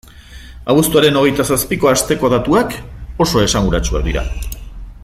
Abuztuaren hogeita zazpiko asteko datuak oso esanguratsuak dira.